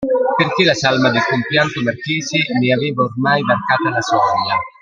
Perché la salma del compianto marchese ne aveva ormai varcata la soglia.